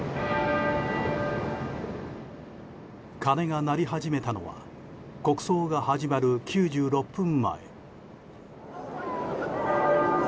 鐘が鳴り始めたのは国葬が始まる９６分前。